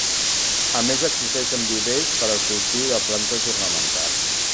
A més existeixen vivers per al cultiu de plantes ornamentals.